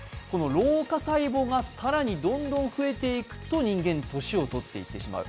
老化細胞が更にどんどん増えていくと人間、年をとってしまう。